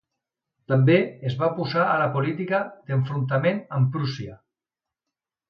També es va oposar a la política d'enfrontament amb Prússia.